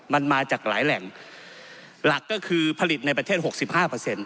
มันมาจากหลายแหล่งหลักก็คือผลิตในประเทศหกสิบห้าเปอร์เซ็นต